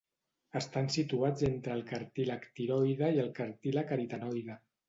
Estan situats entre el cartílag tiroide i el cartílag aritenoide.